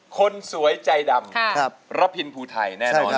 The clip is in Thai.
คนสวยใจดำระพินภูไทยแน่นอน